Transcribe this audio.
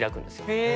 へえ。